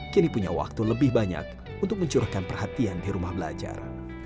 kini punya waktu lebih banyak untuk mencurahkan perhatian di rumah belajar